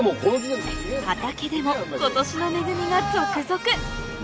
畑でも今年の恵みが続々！